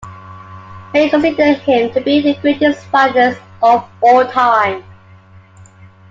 Many consider him to be the greatest violinist of all time.